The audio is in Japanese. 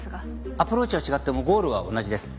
アプローチは違ってもゴールは同じです。